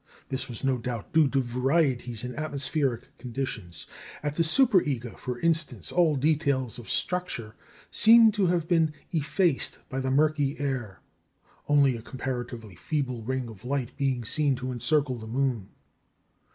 This was no doubt due to varieties in atmospheric conditions. At the Superga, for instance, all details of structure seem to have been effaced by the murky air, only a comparatively feeble ring of light being seen to encircle the moon.